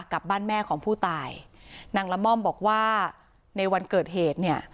กับบ้านแม่ของผู้ตายนางละม่อมบอกว่าในวันเกิดเหตุเนี่ย